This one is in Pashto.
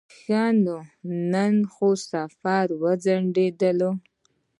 ښه نو نن خو سفر هم ځنډېدلی.